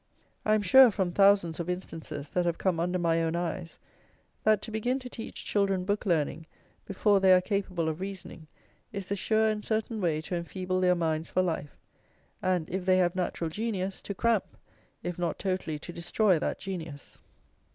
I am sure, from thousands of instances that have come under my own eyes, that to begin to teach children book learning before they are capable of reasoning, is the sure and certain way to enfeeble their minds for life; and, if they have natural genius, to cramp, if not totally to destroy that genius.